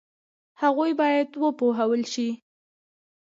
هغوی باید وپوهول شي.